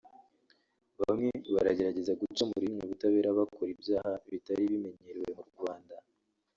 bamwe baragerageza guca mu rihumye ubutabera bakora ibyaha bitari bimenyerewe mu Rwanda